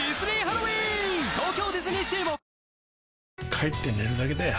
帰って寝るだけだよ